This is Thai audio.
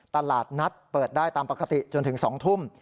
ตลาดนัดเปิดได้ตามปกติจนถึง๒ทุ่ม